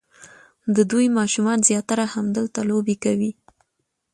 د دوی ماشومان زیاتره همدلته لوبې کوي.